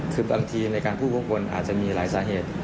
คือบางทีในการพูดข้างบนอาจจะมีหลายสาเหตุ